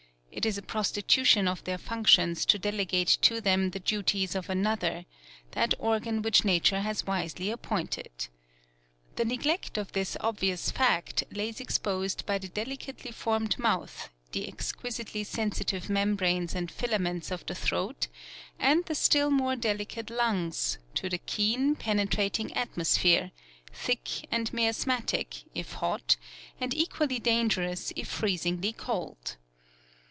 It is a prostitution of their functions to delegate to them the duties of another, that organ which nature has wisely appointed. The neglect of this obvious fact lays exposed the delicately formed mouth, the exquisitely sensitive membranes and filaments of the throat, and the still more deli cate lungs, to the keen, penetrating atmosphere — thick and mias matic, if hot, and equally dangerous if freezingly cold.